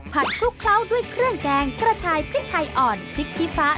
คลุกเคล้าด้วยเครื่องแกงกระชายพริกไทยอ่อนพริกขี้ฟ้า